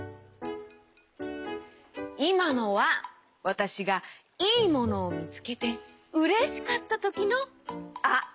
いまのはわたしがいいものみつけてうれしかったときの「あ」！